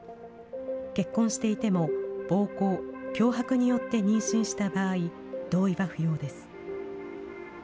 結婚していても、暴行、脅迫によって妊娠した場合、同意は不要です。